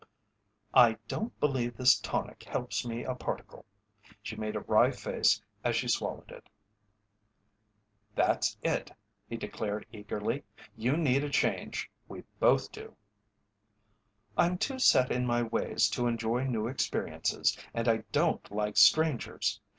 "I don't believe this tonic helps me a particle." She made a wry face as she swallowed it. "That's it," he declared, eagerly. "You need a change we both do." "I'm too set in my ways to enjoy new experiences, and I don't like strangers.